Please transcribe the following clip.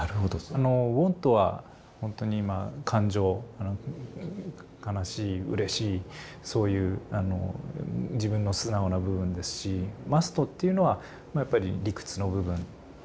あの「ｗａｎｔ」は本当に感情悲しいうれしいそういう自分の素直な部分ですし「ｍｕｓｔ」っていうのはやっぱり理屈の部分だと思うんですね。